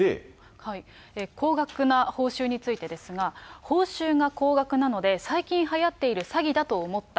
高額な報酬についてですが、報酬が高額なので、最近はやっている詐欺だと思った。